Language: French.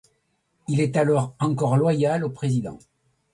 Il est alors encore loyal au président.